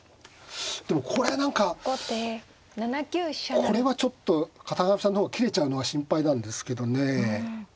でもこれ何かこれはちょっと片上さんの方が切れちゃうのが心配なんですけどね。